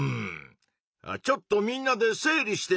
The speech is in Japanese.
ちょっとみんなで整理してみようか？